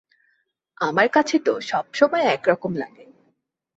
আমার কাছে তো সবসময় একরকম লাগে।